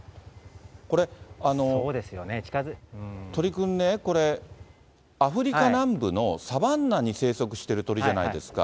これ、鳥くんね、これ、アフリカ南部のサバンナに生息している鳥じゃないですか。